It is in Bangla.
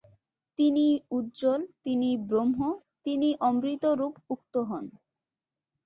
তিনিই উজ্জ্বল, তিনিই ব্রহ্ম, তিনিই অমৃতরূপ উক্ত হন।